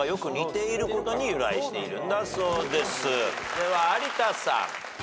では有田さん。